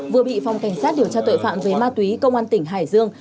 vừa bị phòng cảnh sát điều tra tội phạm về ma túy công an tỉnh hải dương